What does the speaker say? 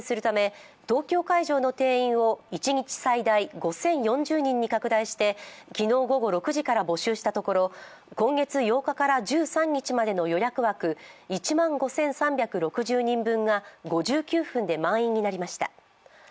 ため東京会場の定員を一日最大５０４０人に拡大して昨日午後６時から募集したところ今月８日から１３日までの予約枠１万５３６０人分が５９分で満員になりました。